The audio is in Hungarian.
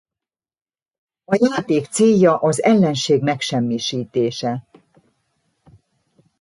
A játék célja az ellenség megsemmisítése.